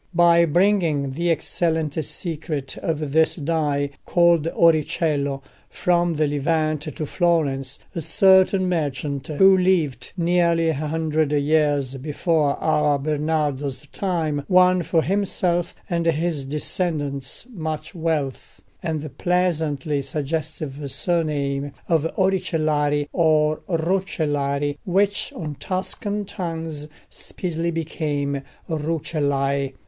By bringing the excellent secret of this dye, called oricello, from the Levant to Florence, a certain merchant, who lived nearly a hundred years before our Bernardo's time, won for himself and his descendants much wealth, and the pleasantly suggestive surname of Oricellari, or Roccellari, which on Tuscan tongues speedily became Rucellai.